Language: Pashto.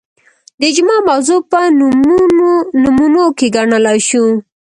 د اجماع موضوع په نمونو کې ګڼلای شو